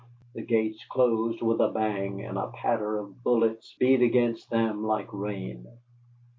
The gates closed with a bang, and a patter of bullets beat against them like rain.